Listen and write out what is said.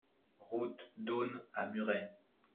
Route d'Eaunes à Muret